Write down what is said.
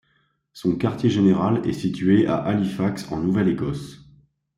Son quartier général est situé à Halifax en Nouvelle-Écosse.